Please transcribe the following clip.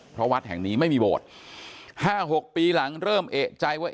เพราะวัดแห่งนี้ไม่มีโบสถ์๕๖ปีหลังเริ่มเอกใจว่า